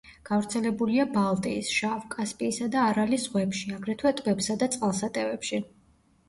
გავრცელებულია ბალტიის, შავ, კასპიისა და არალის ზღვებში, აგრეთვე ტბებსა და წყალსატევებში.